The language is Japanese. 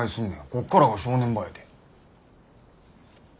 こっからが正念場やで。